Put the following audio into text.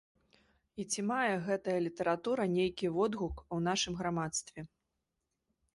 І ці мае гэтая літаратура нейкі водгук у нашым грамадстве.